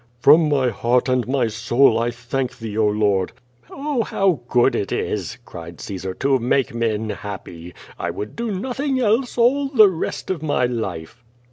"From my heart and my soul, I thank thee, oh. Lord!" "Oh, how good it is," cried Caesar, "to make men happy. I would do nothing else all the rest of my life."